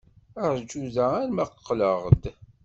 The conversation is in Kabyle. Ṛju da arma qqleɣ-d.